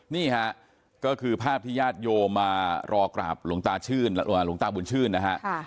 นี่ค่ะก็คือภาพที่ญาติโยมมารอกราบหลวงตาบุญชื่นนะครับ